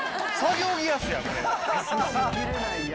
作業着安や、これ。